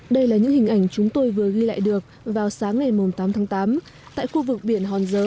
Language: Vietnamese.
đây là những hình ảnh chúng tôi vừa ghi lại được vào sáng ngày tám tháng tám tại khu vực biển hòn dơ